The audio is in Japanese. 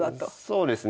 そうですね。